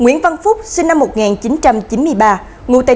nguyễn văn phúc sinh năm một nghìn chín trăm chín mươi ba